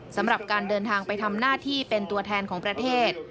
สำหรับการเดินทางไปทำหน้าที่เป็นตัวแทนของประเทศ